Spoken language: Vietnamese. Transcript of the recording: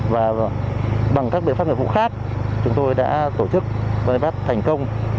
và bằng các biện pháp nghiệp vụ khác chúng tôi đã tổ chức vây bắt thành công